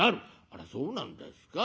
「あらそうなんですか。